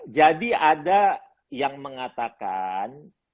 jadi ada yang mengatakan